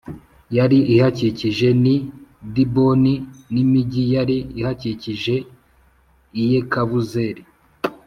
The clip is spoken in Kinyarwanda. Yari ihakikije n i diboni n imigi yari ihakikije i yekabuzeri